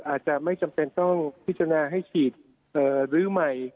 อาจจะไม่จำเป็นต้องพิจารณาให้ฉีดลื้อใหม่